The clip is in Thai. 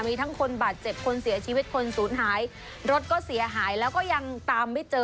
มีทั้งคนบาดเจ็บคนเสียชีวิตคนศูนย์หายรถก็เสียหายแล้วก็ยังตามไม่เจอ